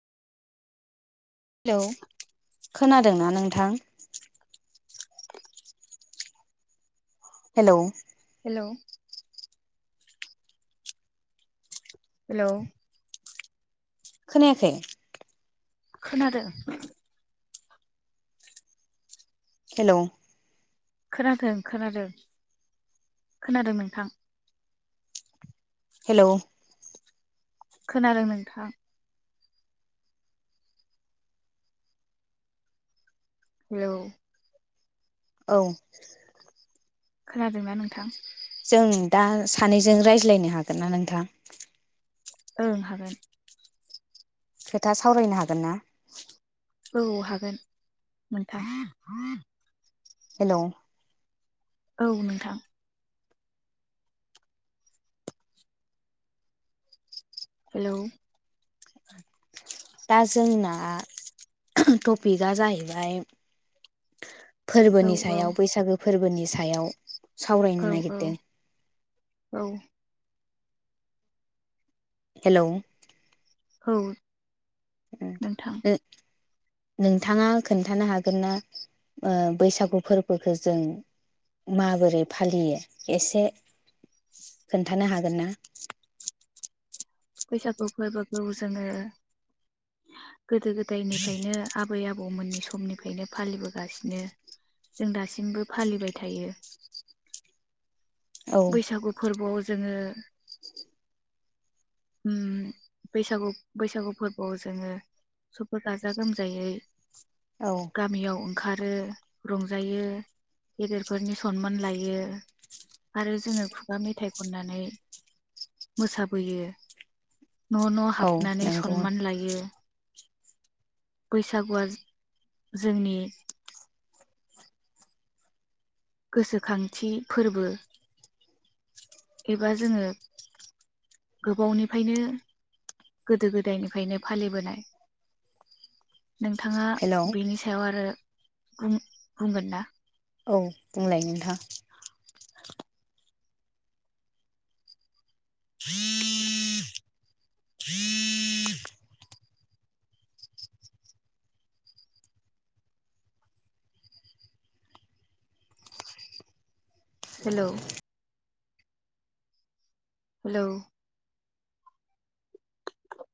Hello खोनादोंना नोंथां? Hello hello hello खोनायाखै खोनादों हेलौ खोनादों खोनादों खोनादों नोंथां हेलौ खोनादों नोंथां हेलौ औ खोनादोंना नोंथां? जों दा सानैजों रायज्लायनो हागोन ना नोंथां? ओं हागोन खोथा सावरायनो हागोन ना? औ हागोन नोंथां हेलौ औ नोंथां हेलौ दा जोंना टपिकया जाहैबाय औ फोरबोनि सायाव बैसागो फोरबोनि सायाव औ सावरायनो औ नागिरदों औ हेलौ औ नोंथां नोंथाङा खोन्थानो हागोन ना बैसागु ओ फोरबोखौ जों माबोरै फालियो एसे खोन्थानो हागोन ना? बैसागु फोरबोखौ जोङो गोदो गोदायनिफ्रायनो आबै आबौमोननि समनिफ्रायनो फालिबोगासिनो जों दासिमबो फालिबाय थायो [inaudible] औ बैसागु फोरबोवाव जोङो ओम बैसागु बैसागु फोरबोवाव जोङो सबबो गाजा गोमजायै औ गामियाव ओंखारो रंजायो गेदेरफोरनि सनमान लायो आरो जोङो खुगा मेथाइ खननानै मोसाबोयो न' न' औ हाबनानै नंगौ सनमान लायो बैसागुवा जोंनि गोसोखांथि फोरबो एबा जोङो गोबावनिफ्रायनो गोदो गोदायनिफ्रायनो फालिबोनाय नोंथाङा हेलौ बेनि सायाव आरो बुं बुंगोन ना? औ बुंलाय नोंथां [inaudible] हेल' हेलौ